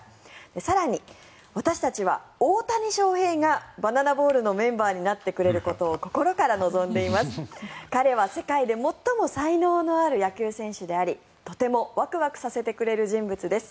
更に、私たちは大谷翔平がバナナボールのメンバーになってくれることを心から望んでいます彼は世界で最も才能のある野球選手でありとてもワクワクさせてくれる人物です。